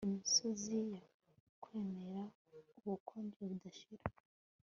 Imisozi yakwemera ubukonje budashira